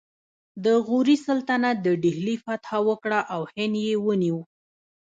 د غوري سلطنت د دهلي فتحه وکړه او هند یې ونیو